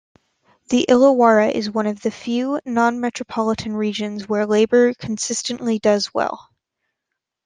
The Illawarra is one of the few non-metropolitan regions where Labor consistently does well.